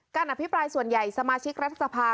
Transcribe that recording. อภิปรายส่วนใหญ่สมาชิกรัฐสภา